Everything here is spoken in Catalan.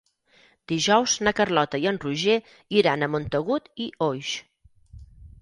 Dijous na Carlota i en Roger iran a Montagut i Oix.